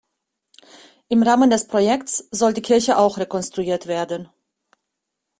Im Rahmen des Projekts soll die Kirche auch rekonstruiert werden.